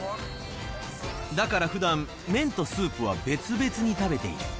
だから、ふだん、麺とスープは別々に食べている。